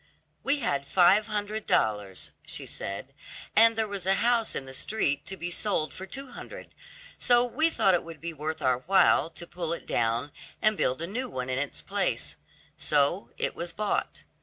"We had five hundred dollars," she said, "and there was a house in the street to be sold for two hundred, so we thought it would be worth our while to pull it down and build a new one in its place; so it was bought.